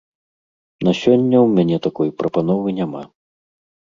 На сёння ў мяне такой прапановы няма.